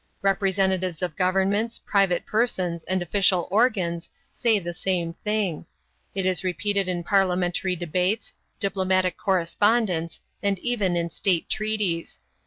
"Representatives of governments, private persons, and official organs say the same thing; it is repeated in parliamentary debates, diplomatic correspondence, and even in state treaties.